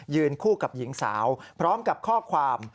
คู่กับหญิงสาวพร้อมกับข้อความ